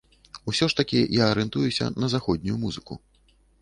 Усё ж такі, я арыентуюся на заходнюю музыку.